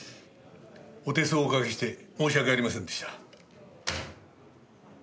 お手数をおかけして申し訳ありませんでした。